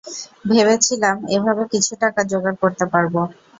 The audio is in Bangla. ভেবেছিলাম, এভাবে কিছু টাকা জোগাড় করতে পারব।